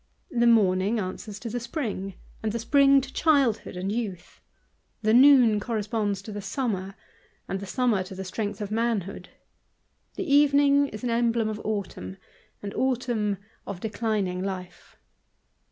The morning answers to the spring, and the spring to childhood and youth; the noon corresponds to the summer, and the summer to the strength of manhood. The evening is an emblem of autumn, and autumn of declining life.